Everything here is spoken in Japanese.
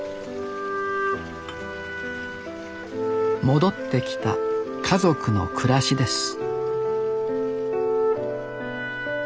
戻ってきた家族の暮らしです